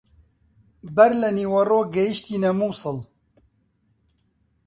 بەر لە نیوەڕۆ گەیشتینە مووسڵ.